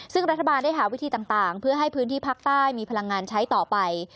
ซึ่งรัฐบาลได้หาวิธีต่างเพื่อให้พื้นที่ภาคใต้มีพลังงานใช้ต่อไป